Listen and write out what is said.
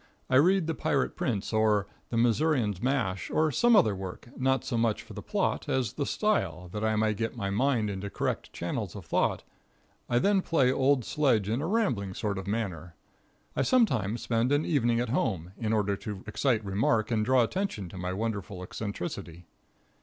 I read the "Pirate Prince" or the "Missourian's Mash," or some other work, not so much for the plot as the style, that I may get my mind into correct channels of thought I then play "old sledge" in a rambling sort of manner. I sometimes spend an evening at home, in order to excite remark and draw attention to my wonderful eccentricity.